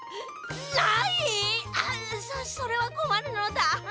そそれはこまるのだ。